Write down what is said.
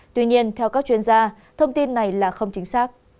tuy nhiên theo các chuyên gia thông tin này là không chính xác